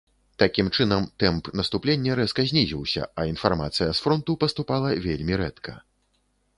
Такім чынам, тэмп наступлення рэзка знізіўся, а інфармацыя з фронту паступала вельмі рэдка.